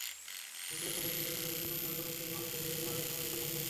যন্ত্রের কাছে, বিশেষ করে বুদ্ধিমত্তার পরীক্ষায় মানুষের হেরে যাওয়া এবারই প্রথম নয়।